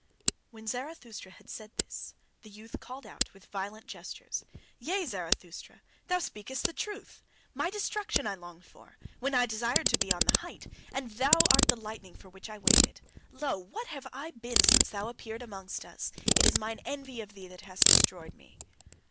When Zarathustra had said this, the youth called out with violent gestures: "Yea, Zarathustra, thou speakest the truth. My destruction I longed for, when I desired to be on the height, and thou art the lightning for which I waited! Lo! what have I been since thou hast appeared amongst us? It is mine envy of thee that hath destroyed me!"